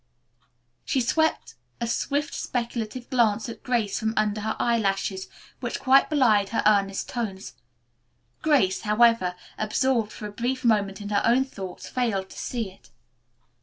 She swept a swift, speculative glance at Grace from under her eyelashes which quite belied her earnest tones. Grace, however, absorbed for a brief moment in her own thoughts, failed to see it.